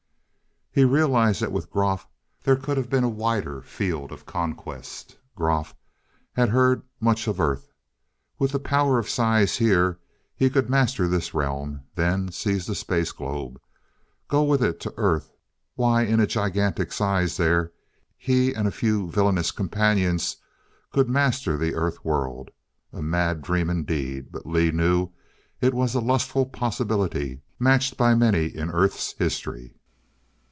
He realized that with Groff there could have been a wider field of conquest. Groff had heard much of Earth. With the power of size here, he could master this realm; then seize the space globe. Go with it to Earth. Why, in a gigantic size there, he and a few villainous companions could master the Earth world. A mad dream indeed, but Lee knew it was a lustful possibility matched by many in Earth's history.